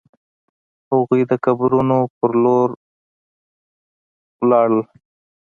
هغوی د قبرونو په لور لاړ شول.